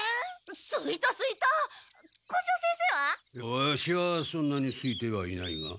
ワシはそんなにすいてはいないが。